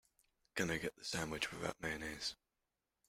Can I get the sandwich without mayonnaise?